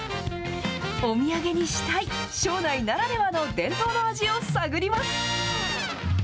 お土産にしたい、庄内ならではの伝統の味を探ります。